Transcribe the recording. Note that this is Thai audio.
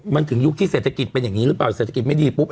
มันถึงยุคที่เศรษฐกิจเป็นอย่างนี้หรือเปล่าเศรษฐกิจไม่ดีปุ๊บ